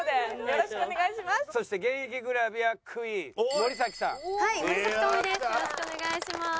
よろしくお願いします。